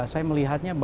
saya melihatnya berarti